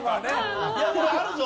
いやこれあるぞ！